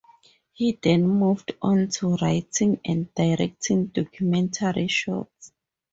He then moved on to writing and directing documentary shorts.